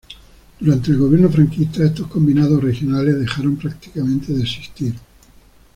Durante el gobierno franquista, estos combinados regionales dejaron prácticamente de existir.